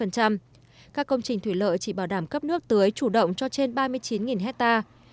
các công trình thủy lợi chỉ bảo đảm cấp nước tưới chủ động cho trên ba mươi chín hectare